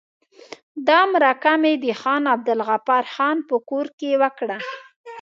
دا مرکه مې د خان عبدالغفار خان په کور کې وکړه.